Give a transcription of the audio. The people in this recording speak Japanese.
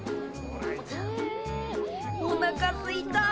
おなかすいた！